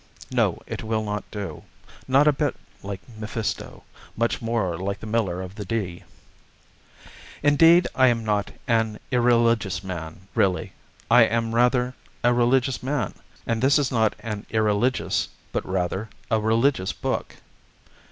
No; it will not do. Not a bit like Mephisto: much more like the Miller of the Dee. Indeed, I am not an irreligious man, really; I am rather a religious man; and this is not an irreligious, but rather a religious, book.